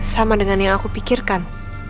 sama dengan yang aku pikirkan